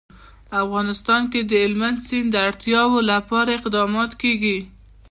افغانستان کې د هلمند سیند د اړتیاوو لپاره اقدامات کېږي.